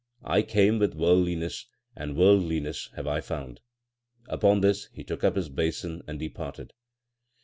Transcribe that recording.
I came with worldliness, and worldliness have I found. Upon this he took up his basin and departed.